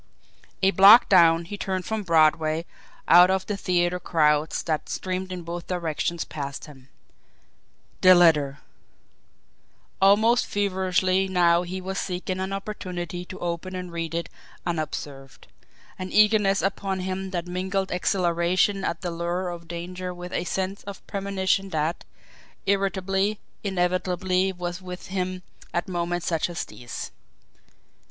A block down, he turned from Broadway out of the theatre crowds that streamed in both directions past him. The letter! Almost feverishly now he was seeking an opportunity to open and read it unobserved; an eagerness upon him that mingled exhilaration at the lure of danger with a sense of premonition that, irritably, inevitably was with him at moments such as these.